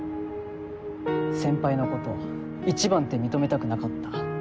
先輩のことを一番って認めたくなかった。